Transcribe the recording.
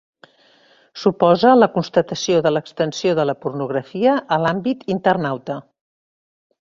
Suposa la constatació de l'extensió de la pornografia a l'àmbit internauta.